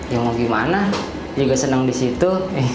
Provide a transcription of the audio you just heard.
ya mau gimana juga senang di situ